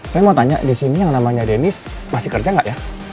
saya mau tanya di sini yang namanya dennis masih kerja nggak ya